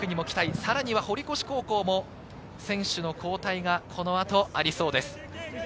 さらには堀越高校も選手の交代がこの後ありそうです。